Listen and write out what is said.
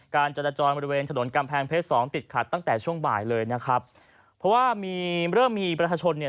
จรจรบริเวณถนนกำแพงเพชรสองติดขัดตั้งแต่ช่วงบ่ายเลยนะครับเพราะว่ามีเริ่มมีประชาชนเนี่ย